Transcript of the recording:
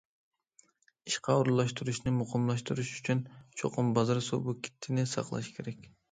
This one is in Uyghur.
ئىشقا ئورۇنلاشتۇرۇشنى مۇقىملاشتۇرۇش ئۈچۈن چوقۇم بازار سۇبيېكتىنى ساقلاش كېرەك.